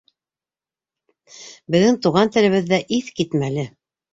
Беҙҙең туған телебеҙ ҙә иҫ китмәле!